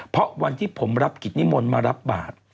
เพราะวันที่ผมรับกิจนิมนต์มารับบาท